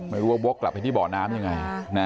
ไม่รู้ว่าบวกกลับไปที่บ่อน้ำยังไง